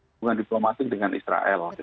hubungan diplomatik dengan israel